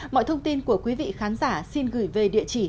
mọi thông tin của quý vị khán giả xin gửi về địa chỉ